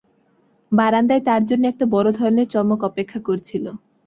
বারান্দায় তার জন্যে একটা বড় ধরনের চমক অপেক্ষা করছিল।